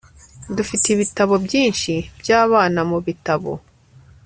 dufite ibitabo byinshi byabana mubitabo